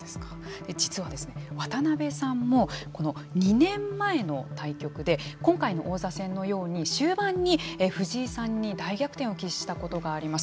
実はですね、渡辺さんもこの２年前の対局で今回の王座戦のように終盤に藤井さんに大逆転を喫したことがあります。